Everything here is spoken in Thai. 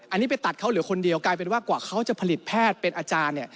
อันนี้ไปตัดเขาเหลือคนเดียวกลายเป็นว่ากว่าเขาจะผลิตแพทย์เป็นอาจารย์